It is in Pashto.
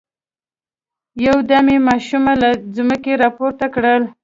يودم يې ماشومه له ځمکې را پورته کړل.